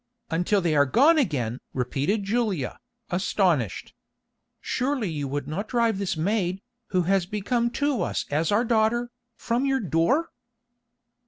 "Until they are gone again!" repeated Julia, astonished. "Surely you would not drive this maid, who has become to us as our daughter, from your door?"